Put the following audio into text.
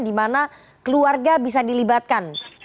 dimana keluarga bisa dilibatkan